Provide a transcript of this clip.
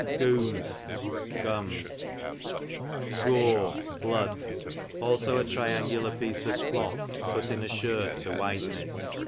Gooms, gums. Gore, blood; cdso a triangular piece of cloth put in a shirt to widen it.